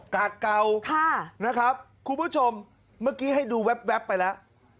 กาดเก่านะครับคุณผู้ชมเมื่อกี้ให้ดูแว๊บไปแล้ว